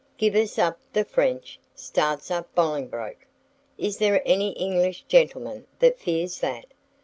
"Give us up to the French!" starts up Bolingbroke; "is there any English gentleman that fears that?